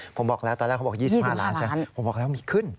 ผมบอกแล้วตอนแรกเขาบอก๒๕ล้านใช่ไหมผมบอกแล้วมีขึ้น